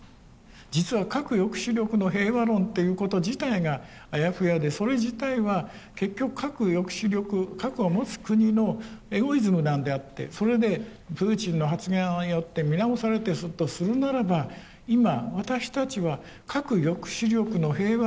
実は核抑止力の平和論っていうこと自体があやふやでそれ自体は結局核抑止力核を持つ国のエゴイズムなんであってそれでプーチンの発言によって見直されたりするとするならば今私たちは核抑止力の平和論をつくるチャンスなんだと。